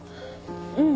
うん。